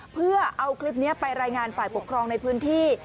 เพื่อเอาคลิปนี้ไปรายงานฝ่ายปกครองในพื้นที่